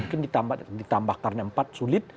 mungkin ditambah karena empat sulit